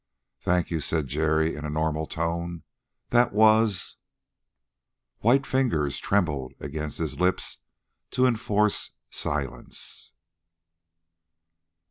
"Thank you," said Jerry in a normal tone, "that was " White fingers trembled against his lips to enforce silence.